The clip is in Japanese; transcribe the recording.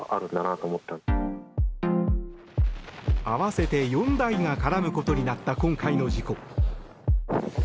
合わせて４台が絡むことになった今回の事故。